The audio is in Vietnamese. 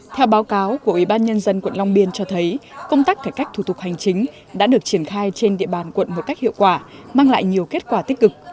theo báo cáo của ủy ban nhân dân quận long biên cho thấy công tác cải cách thủ tục hành chính đã được triển khai trên địa bàn quận một cách hiệu quả mang lại nhiều kết quả tích cực